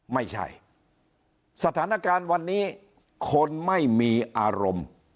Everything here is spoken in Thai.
ไม่ใช่สถานการณ์วันนี้คนไม่มีอารมณ์